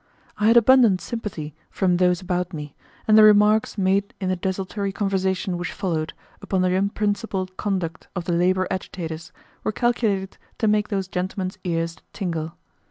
I had abundant sympathy from those about me, and the remarks made in the desultory conversation which followed, upon the unprincipled conduct of the labor agitators, were calculated to make those gentlemen's ears tingle.